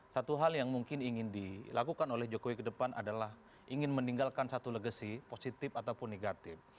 satu hal yang mungkin ingin dilakukan oleh jokowi ke depan adalah ingin meninggalkan satu legacy positif ataupun negatif